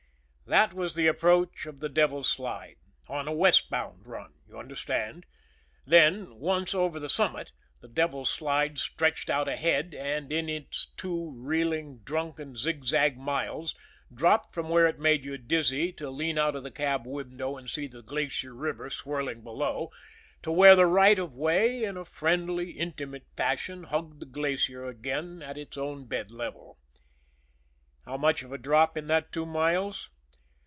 That was the approach of the Devil's Slide on a westbound run, you understand? Then, once over the summit, the Devil's Slide stretched out ahead, and in its two reeling, drunken, zigzag miles dropped from where it made you dizzy to lean out of the cab window and see the Glacier River swirling below, to where the right of way in a friendly, intimate fashion hugged the Glacier again at its own bed level. How much of a drop in that two miles?